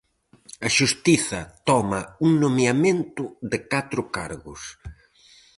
A xustiza toma un nomeamento de catro cargos.